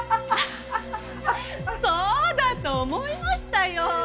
あっそうだと思いましたよ。